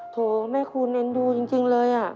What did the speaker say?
โถแม่คูณเอ็นดูจริงเลย